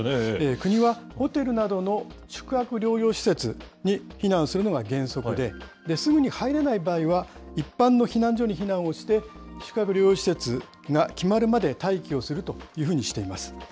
国はホテルなどの宿泊療養施設に避難するのが原則で、すぐに入れない場合は、一般の避難所に避難をして、宿泊療養施設が決まるまで待機をするというふうにしています。